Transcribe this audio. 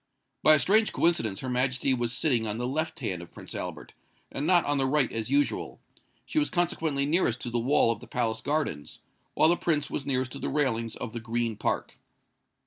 By a strange coincidence Her Majesty was sitting on the left hand of Prince Albert, and not on the right as usual: she was consequently nearest to the wall of the palace gardens, while the Prince was nearest to the railings of the Green Park.